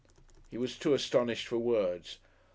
He was too astonished for words.